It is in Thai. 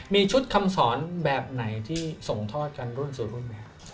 มีชุดคำสอนแบบไหนที่ส่งทอดกันรุ่นสู่รุ่นไหมครับ